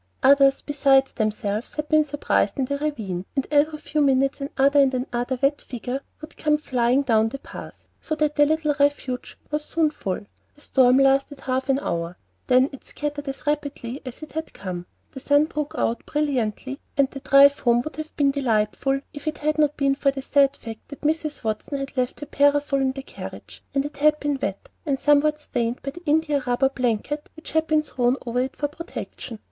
Others besides themselves had been surprised in the ravine, and every few minutes another and another wet figure would come flying down the path, so that the little refuge was soon full. The storm lasted half an hour, then it scattered as rapidly as it had come, the sun broke out brilliantly, and the drive home would have been delightful if it had not been for the sad fact that Mrs. Watson had left her parasol in the carriage, and it had been wet, and somewhat stained by the india rubber blanket which had been thrown over it for protection.